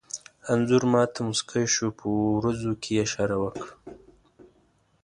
انځور ما ته موسکی شو، په وروځو کې یې اشاره وکړه.